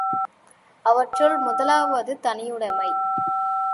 அவற்றுள் முதலாவது தனியுடைமை.